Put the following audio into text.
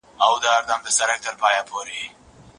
طلاق داسي انسانان ډېر نژدې انسانان سره بيلوي.